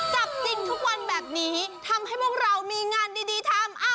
จับจริงทุกวันแบบนี้ทำให้พวกเรามีงานดีทำ